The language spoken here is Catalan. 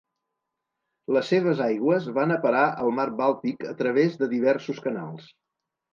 Les seves aigües van a parar al mar Bàltic a través de diversos canals.